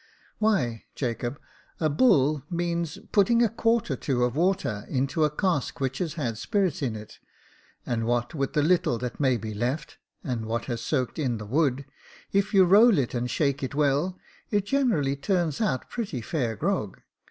" Why, Jacob, a bull means putting a quart or two of water into a cask which has had spirits in it ; and what with the little that may be left, and what has soaked in the wood, if you roll it and shake it well, it generally turns out pretty fair grog.